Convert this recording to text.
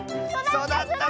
そだった！